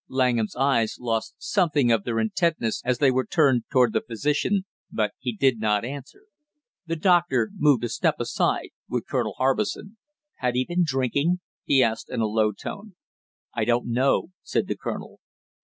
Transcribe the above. Langham's eyes lost something of their intentness as they were turned toward the physician, but he did not answer him. The doctor moved a step aside with Colonel Harbison. "Had he been drinking?" he asked in a low tone. "I don't know," said the colonel.